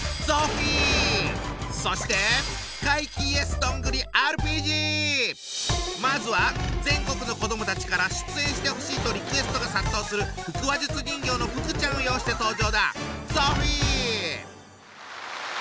そしてまずは全国の子どもたちから出演してほしいとリクエストが殺到する腹話術人形のふくちゃんを擁して登場だ！